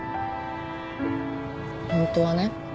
ホントはね